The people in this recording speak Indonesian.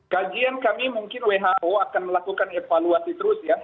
kajian kami mungkin who akan melakukan evaluasi terus ya